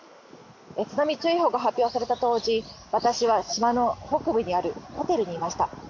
津波注意報が発表された当時私は島の北部にあるホテルにいました。